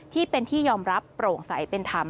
ที่เป็นที่ยอมรับโปร่งใสเป็นธรรม